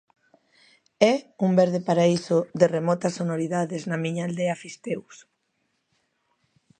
É un verde paraíso de remotas sonoridades na miña aldea Fisteus.